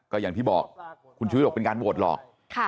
ก็อย่างที่บอกคุณชุวิตบอกเป็นการโหวตหลอก